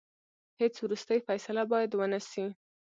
هیڅ وروستۍ فیصله باید ونه سي.